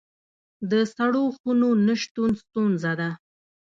د سړو خونو نشتون ستونزه ده